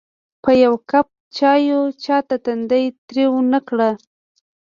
په یوه کپ چایو چاته تندی تریو نه کړ.